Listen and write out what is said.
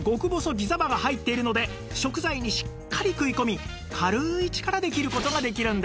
ギザ刃が入っているので食材にしっかり食い込み軽い力で切る事ができるんです